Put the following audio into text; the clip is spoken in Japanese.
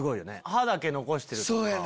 歯だけ残してるとか。